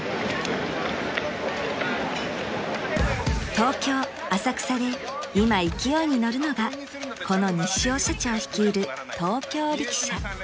［東京浅草で今勢いに乗るのがこの西尾社長率いる東京力車］